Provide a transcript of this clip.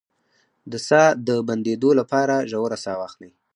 د ساه د بندیدو لپاره ژوره ساه واخلئ